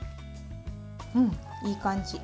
うん、いい感じ。